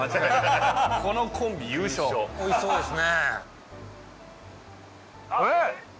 このコンビ優勝おいしそうですね